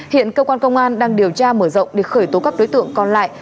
hiện cơ quan công an đang điều tra mở rộng để khởi tố các đối tượng còn lại